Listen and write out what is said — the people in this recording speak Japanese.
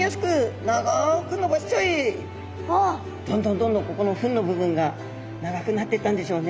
どんどんここの吻の部分が長くなってったんでしょうね。